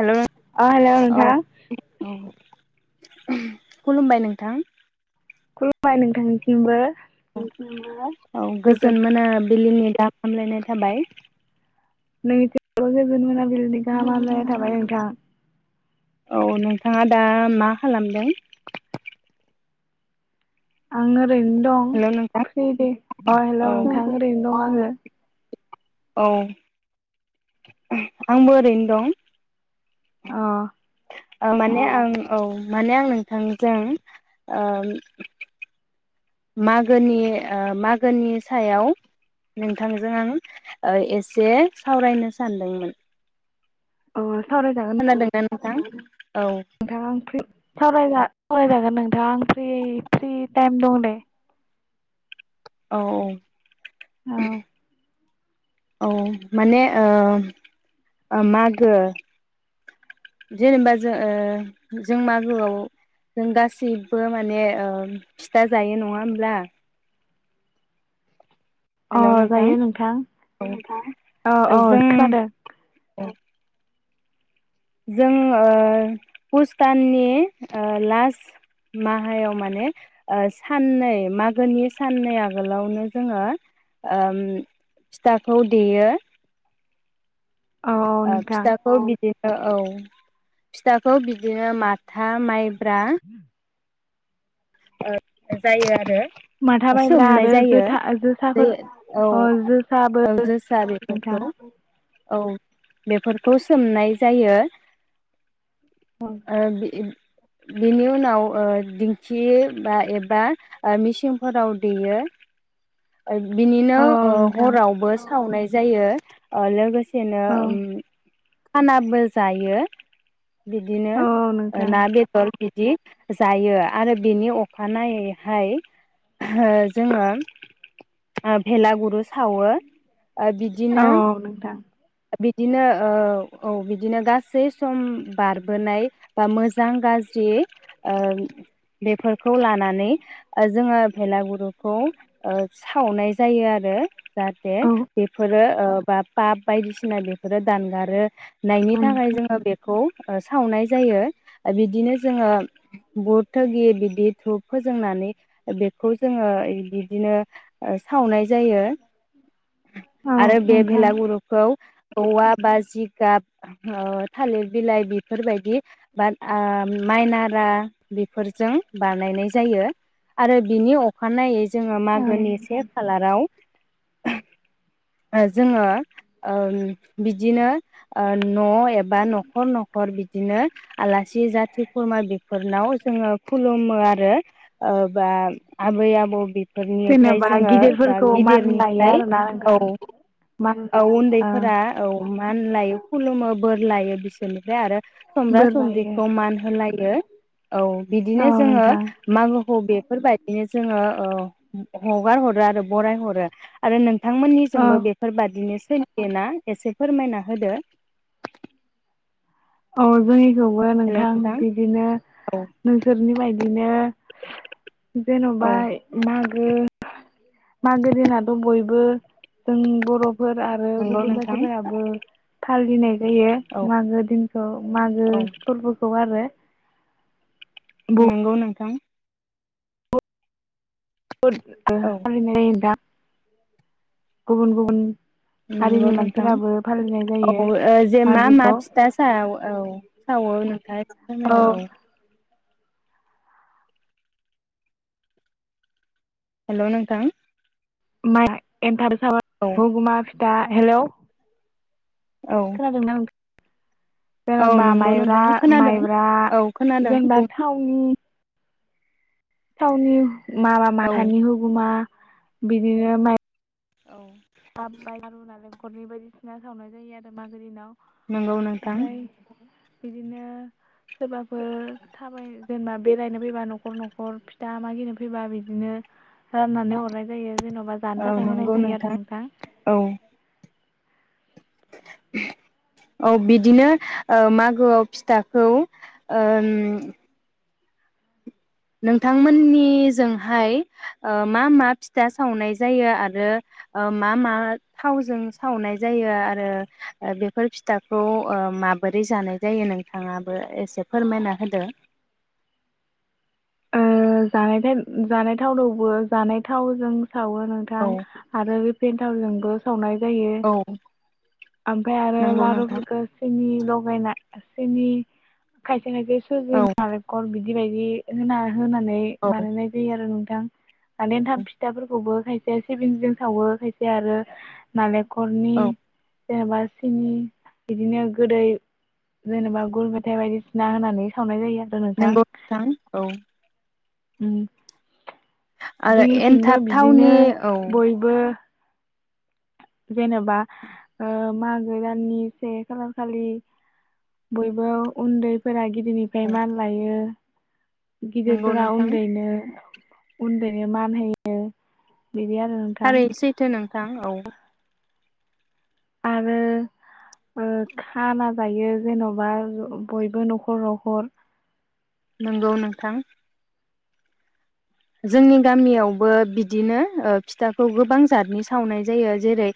हेल' अ हेलौ औ नोंथां खुलुमबाय नोंथां खुलुमबाय नोंथांनिसिमबो औ औ गोजोन मोनाबिलिनि [unintelligible] हामलायनाय थाबाय [inaudible] बिलिनि गाहाम हामलायनाय थाबाय नोंथां। औ नोंथाङा दा मा खालामदों? आङो ओरैनो दं हेलौ नोंथां फ्रि दे अ हेलौ औ नोंथां ओरैनो दं आङो। औ आंबो ओरैनो दं। अ ओ माने आं औ माने आं नोंथांजों ओ मागोनि ओ मागोनि सायाव नोंथांजों आं ओ एसे सावरायनो सानदोंमोन अ खोनादों ना नों नोंथां औ नोंथाङा फ्रि [unintelligible] सावरायजागोन नोंथां आं फ्रि फ्रि टाइम दं दे औ उ औ औ माने ओ ओ मागो जेनेबा जो ओ जों मागोआव जों गासैबो माने ओ फिथा जायो नङा होमब्ला? अ हेलौ नों थां जायो नोंथां ओ अ अ खोनादों। औ जों ओ पुसदाननि ओ लास्ट माहायाव माने ओ साननै मागोनि साननै आगोलाव ओम फिथाखौ देयो औ औ ओ नोंथां फिथाखौ बिदि ओ औ फिथाखौ बिदिनो माथा माइ ब्रा ओ जायो आरो। माथा मायब्रा सोमनाय आरो जायो जोथा दै जोसाफोर औ अ जोसाबो औ जोसा नोंथां। बेफोरखौ औ बेफोरखौ सोमनाय जायो। औ ओ [unintelligible] बिनि उनाव ओ दिं खि बा एबा ओ मेसिनफोराव देयो बिनिनो औ ओ नोंथां हरावबो सावनाय जायो अ लोगो [unintelligible] औ उम खानाबो जायो बिदिनो औ ओ नोंथां ना बेदर बिदि जायो। आरो बेनि अखानायैहाय ओ जोङो ओ भेलागुर सावो ओ औ बिदिनो नोंथां बि बिदिनो औ औ बिदिनो गासै सम बारबोनाय बा मो मोजां गाज्रि ओ बेफोरखौ खौ लानानै ओ जोङो भेलागुरुखौ ओ सावनाय जायो आरो। जाहाथे औ बेफोरो ओ बा पाप बायदिसिना बेफोरो दानगारो। नायनि थाखाय नोंथां जोङो बेखौ ओ सावनाय जायो ओ बिदिनो जोङो बहुद थगि बिदि धुप फोजोंनानै बेखौ जोङो इदि इदिनो ओ सावनाय जायो। औ आरो बे नोंथां भेलागुरुखौ औवा बा जिगाब ओ थालिर बिलाइ बेफोरबायदि बा ओ माइ नारा बेफोरजों बानायनाय जायो आरो बिनि अखानायै जोङो औ मागोनि से नोंथां खालाराव ओ जोङो उम बिदिनो ओ न' एबा न'खर न'खर बि बिदिनो आलासि जाथि खुरमा बेफोरनाव जोङो खुलुमो आरो ओ बा आबै आबौ बे बेनिफ्राय जेनेबा जोङो बा गिदिरफोरखौ मान लायो गिदिरनिफ्राय आरोना औ नोंथां मान औ ओ उन्दैफोरा औ मान लायो खुलुमो बोर लायो बिसोरनिफ्राय आरो समब्रा बोर लायो समब्रिखौ मान होलायो। औ बिदिनो औ जोङो नोंथां मागोखौ बे बेफोरबायदिनो जोङो ओ हगार हरो आरो बराय हरो आरो नों औ नोंथांमोननिजोंबो बेफोरबादिनोसै देना एसे फोरमायना होदो। अ जायो। खौबो नोंथां बिदिनो नोंसोरनि बायदिनो जेनबा औ मागो मागो दिनाथ' बयबो जों बर' फोर आरो नंगौ गुबुन नोंथां जाथिफोराबो फालिनाय जायो औ मागो दिन ओ मागो औ फोरबोखौ आरो नोंगौ नोंथां। औ [unintelligible] गुबुन गुबुन। नंगौ हारिनि नोंथां मानसिफोराबो फालिनाय जायो औ जे मा मा मागोखौ फिथा सार औ [unintelligible] दो औ हेल' नोंथां मा एन औ हगमा फि। दा हेल'। औ खोनादों ना नोंथां? औ जेनेबा नंगौ माइब्रा नोंथां खोनादों माइब्रा औ खोनादों जेनेबा बुं थावनि थावनि माबा औ माथानि होगुमा। बिदिनो म। दाब बाय नाल। न'खरनि बायदिसिना सावनाय जायो आरो मागोनि उनाव नंगौ नोंथां बाय। बिदिनो सोरबाफोर थाबाय जेनेबा बेरायनो फैबा न'खर न'खर फिथा मागिनो फैबा बिदिनो राननानै हरनाय जायो जेन'बा जानो औ थाखाय होनाय नंगौ जायो आरो। नोंथां नोंथां औ। औ बिदिनो ओ मागोआव फिथाखौ उम। नोंथांमोननिजोंहाय ओ मा मा फिथा सावनाय जायो आरो ओ मा मा थावजों सावनाय जायो आरो बेफोर फिथाखौ ओ माबोरै जानाय जायो नोंथाङाबो एसे फोरमायना होदो। ओ जानाय थाइम जानाय थावनावबो जानाय थावजों सावो नोंथां औ आरो रेफिन। थावजोंबो सावनाय जायो औ मफ्राय आरो नंगौ नोंथां लारुफोरखौ सिनि लगायना सिनि खायसे खायसे सुजि औ नारिकल बिद बिबायदि होना होना। [unintelligible] औ बानायनाय जायो आरो नोंथां। [unintelligible] माने एथाम फिथाफोरखौबो खाय खायसे सिबिंजों सावो खायसेया आरो नालें खरनि औ जेनेबा सिनि बिदिनो गोदै जेनेबा गुर मेथाइ बायदिसिना होनानै सावनाय जायो। नोंगौ नोंथां औ। उम आरो जोंनिथिंबो एन्थाब बिदिनो थावनि औ बयबो जेनेबा ओ मागो दाननि से खालार खालि बयबो उन्दैफोरा गिदिरनिफ्राय औ मान लायो। नंगौ गिदिरफोरा नोंथां उन्दैनो उन्दैनो मान होयो। बिदि आरो नोंथां थां औ। आरो ओ खाना जायो जेन'बा बयबो नख'र नख'र नोंगौ नोंथां। जोंनि गामियावबो बिदिनो ओ फिथाखौ गोबां जातनि सावनाय जायो जेरै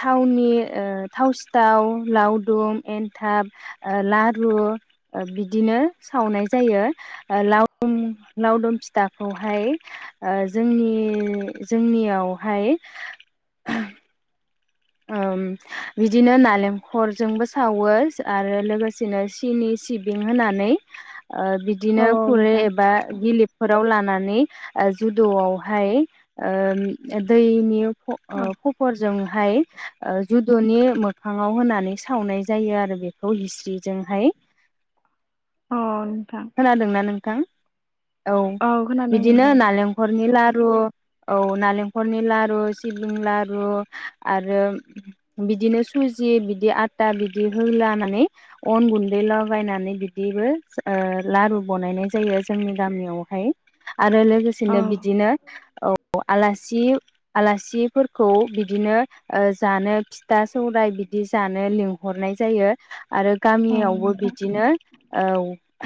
थावनि ओ थाव सिथाव लावदुम एन्थाब ओ लारु ओ बिदिनो सावनाय जायो। ओ लावदुम लावदुम फिथा खौहाय ओ जोंनि जोंनियावहाय ओम बिदिनो नालेंखरजोंबो सावो आरो लोगोसेनो सिनि सिबिं होनानै ओ बिदिनो औ खुरै नोंथां एबा गिलिफ फोराव लानानै ओ जुदुआवहाय ओ दैनि फ औ ओ खफर जोंहाय ओ जुदुनि मोखाङाव होनानै सावनाय जायो आरो बेखौ हिस्रि जोंहाय। औ नोंथां खोनादोंना नों थां। औ खोनादों बिदिनो नोंथां नालेंखरनि लारु रु औ नालेंखलनि लारु सिबिं लारु आरो बिदिनो सुजि बिदि आटा बिदि होलानानै अन गुन्दै लागायनानै बिदिबो ओ लारु बनायनाय जायो जोंनि गामियावहाय। आरो औ लोगोसेनो बिदिनो औ आलास जि आलासिफोरखौ बिदिनो ओ जानो फिथा सौराइ बिदि जानो लिंहरनाय जायो। आरो औ गामियावबो नोंथां बिदिनो औ।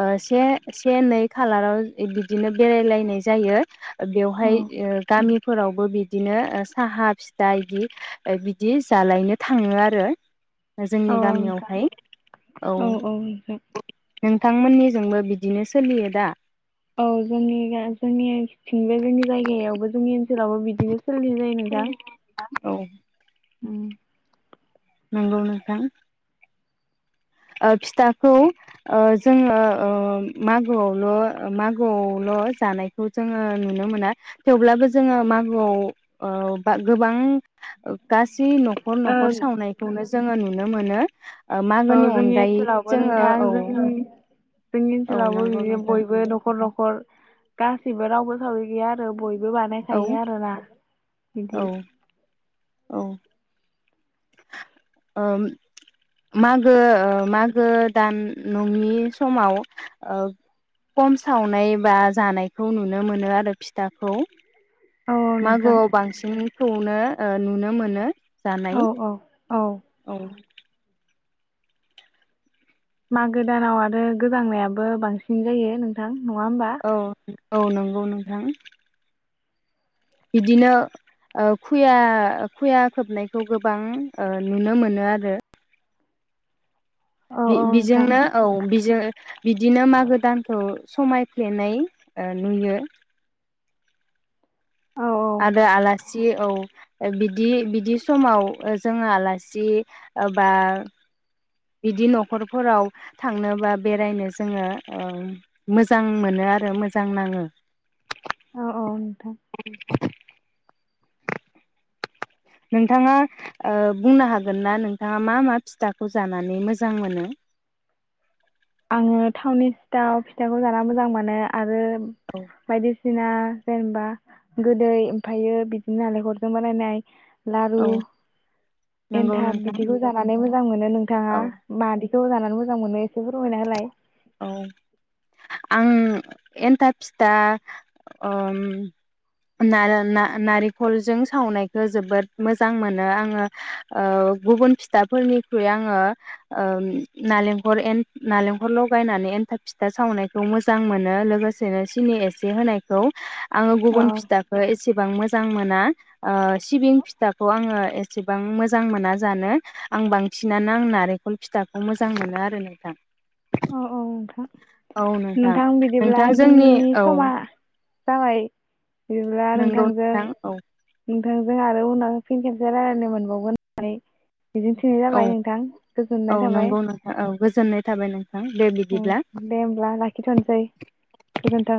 ओ से से नै खालाराव बिदिनो बेरायलायनाय जायो। बेवहाय औ ओ फोरावबो बि बिदिनो ओ साहा फिस दा इदि बिदि जालायनो थाङो आरो। जोंनि औ नोंथां गामियावहाय औ नोंथांमोननिजोंबो बिदिनो सोलियो दा औ जोंनि गा-जोंनि थिंबो जोंनि जायगायावबो जोंनि जेरावबो बिदिनो सोलिनाय जायो नोंथां औ उम नंगौ नोंथां। ओ फिथाखौ ओ जोङो ओ मागोआवल' मागोआवल' जानायखौ जोङो नुनो मोना थेवब्लाबो जोङो मागोआव ओ बा गोबां ओ गास सि न'खर ओं न'खर सावनायखौनो जोङो नु नुनो मोनो ओ मागोनि अन सोलावबो नोंथां जोङो जोंनि औ ओनसोलावबो नंगौ बिदिनो नोंथां बयबो न'खर न'खर गासिबो रावबो सावै गैया आरो बय बो औ बानायखायो आरोना बिदि औ औ ओ मागो ओ मागो दान नङि समाव ओ खम सावनाय बा जानायखौ नुनो मोनो आरो फिथाखौ औ नोंथां मागोआव बांसिनखौनो ओ नुनो मोनो जानाय औ औ। औ औ। मागो दानाव आरो गोजांनायाबो बांसिन जायो नोंथां। नङा होमबा औ औ नंगौ नोंथां बिदिनो ओ खुया खुया खोबनायखौबो बां ओ नुनो मोनो आरो औ बे औ नोंथां बिजोंनो औ बिजों बिदिनो मागो दानखौ समायफ्लेनाय ओ नुयो। औ औ सि औ बिदि बिदि समाव ओ जोङो आलासि बा बिदि न'खरफोराव थांनो बा बेरायनो जोङो ओ मोजां मोनो आरो मोजां नाङो औ औ थां [inaudible] नोंथाङा ओ बुंनो हागोनना नोंथाङा मा मा फिथाखौ जानानै मोजां मोनो? आङो थावनि सिथाव फिथाखौ जाना मोजां मोनो आरो उम बायदिसिना जेनबा गोदै ओमफायो बिदिनो नालेखरजों बानायनाय लारु औ नंगौ एन्थाब नोंथां बिदिखौ जानानै मोजां मोनो नोंथाङा औ मादि खौ जानानै मोजां मोनो एसे फोर फोरमायना होलाय औ आं एन्थाब फिथा आम नार-नारेंखलजों सावनायखौ जोबोद मोजां मोनो आङो गुबुन फिथाफोरनिख्रुइ आङो नारेंखल एन नालेंखरल बायनानै एन्थाब फिथा सावनायखौ मोजां मोनो लोगोसेनो सिनि एसे होनायखौ आङो औ गुबुन फिथाखो एसे एसेबां मोजां मोना ओ सिबिं फिथाखौ आङो एसेबां मोजां मोना जानो आं बांसिनानो आं नारेंखल फिथाखौ मोजां मोनो आरो नोंथां। औ नोंथां, औ नोंथां बिदिब्ला नोंथां जोंनि औ समा जाबाय बिदिब्ला नंगौ नोंथांजों नोंथां औ नोंथांजों आरो उनाव फिन खेबसे रायज्लायनो मोनबावगोन होननानै मिजिंथिनाय औ जाबाय नोंथां औ गोजोननाय थाबाय नंगौ नोंथां औ गोजोन्नाय थाबाय नोंथां दे बि उम दे होमब्ला लाखिथ'नोसै गोजोन्थों।